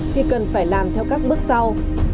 thì cần phải làm theo các bước sau